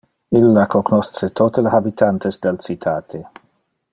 Illa cognosce tote le habitantes del citate.